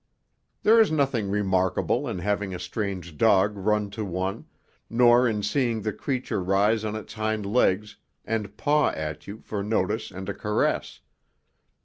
There is nothing remarkable in having a strange dog run to one nor in seeing the creature rise on its hind legs and paw at you for notice and a caress.